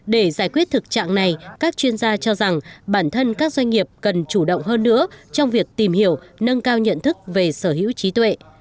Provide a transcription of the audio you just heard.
để giải quyết thực trạng này các chuyên gia cho rằng bản thân các doanh nghiệp cần chủ động hơn nữa trong việc tìm hiểu nâng cao nhận thức về sở hữu trí tuệ